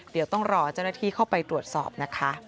เดี๋ยวต้องรอเจ้าหน้าที่เข้าไปตรวจสอบนะคะ